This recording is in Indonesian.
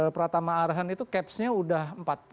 pratama arhan itu caps nya sudah empat puluh